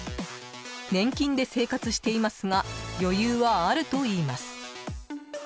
年金で生活していますが余裕はあるといいます。